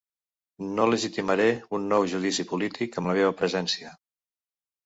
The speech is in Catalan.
No legitimaré un nou judici polític amb la meva presència.